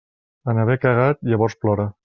En haver cagat, llavors plora.